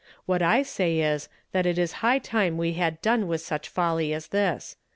Wliat I say is, that it is high time we had done with such folly as this.